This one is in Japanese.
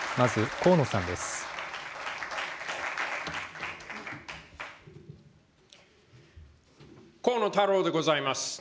河野太郎でございます。